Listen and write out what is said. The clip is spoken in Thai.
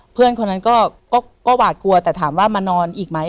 เพื่อนคนนั้นก็หวาดกลัวแต่ถามว่ามานอนอีกไหม